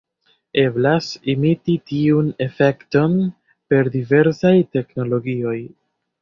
Eblas imiti tiun efekton per diversaj teknologioj.